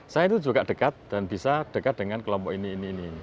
saya itu juga dekat dan bisa dekat dengan kelompok ini ini ini